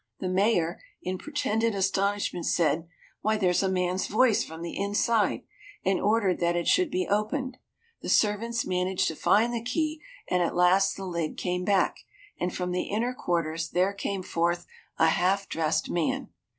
The Mayor, in pretended astonishment, said, "Why, there's a man's voice from the inside," and ordered that it should be opened. The servants managed to find the key, and at last the lid came back, and from the inner quarters there came forth a half dressed man.